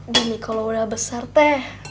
gini kalau udah besar teh